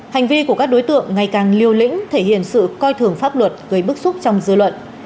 hành vi của các đối tượng ngày càng liều lĩnh thể hiện sự coi thường pháp luật gây bức xúc trong dư luận